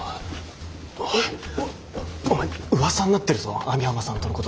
おいお前うわさになってるぞ網浜さんとのこと。